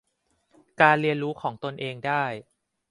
การเรียนรู้ของตนเองได้